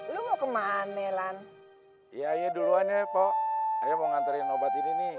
lu mau kemana lan iya duluan ya pok aja mau nganterin obat ini nih